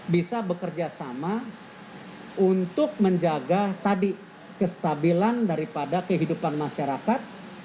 bisa bekerjasama untuk menjaga tadi kestabilan daripada kehidupan masyarakat